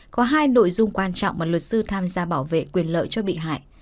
có hai nội dung quan trọng mà luật sư tham gia bảo vệ quyền lợi cho bị hại